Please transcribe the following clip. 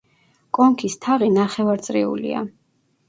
კონქის თაღი ნახევარწრიულია.